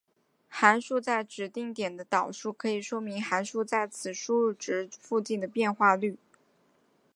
函数在特定点的导数可以说明函数在此输入值附近的变化率。